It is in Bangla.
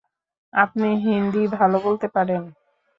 আপনি হিন্দি ভাল বলতে পারেন।